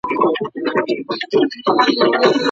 حقوقو پوهنځۍ په ناقانونه توګه نه جوړیږي.